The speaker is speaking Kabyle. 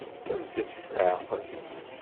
Mmtet s leɛqel!